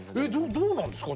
どうなんですか？